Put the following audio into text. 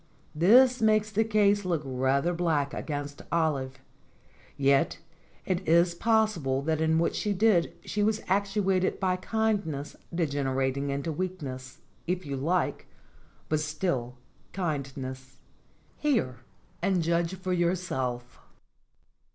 This makes the case look rather black against Olive; yet it is possible that in what she did she was actuated by kindness degenerating into weakness, if you like, but still kindness. Hear and judge for your self.